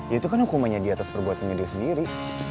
itu kan hukumannya di atas perbuatannya dia sendiri